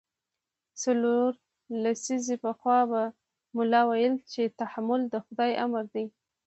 څلور لسیزې پخوا به ملا ویل چې تحمل د خدای امر دی.